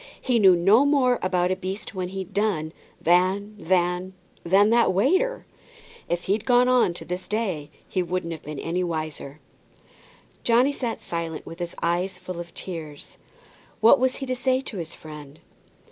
He knew no more about a beast when he'd done, than than than that waiter. If he'd gone on to this day he wouldn't have been any wiser." Johnny sat silent, with his eyes full of tears. What was he to say to his friend?